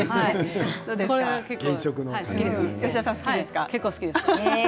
これは結構、好きですね。